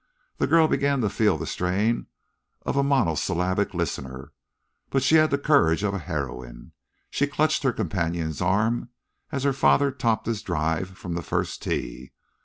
The girl began to feel the strain of a monosyllabic listener, but she had the courage of a heroine. She clutched her companion's arm as her father topped his drive from the first tee.